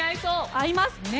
合います！